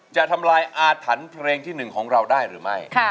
จะทำลายอาถรรพ์เพลงที่๑ของเราได้หรือไม่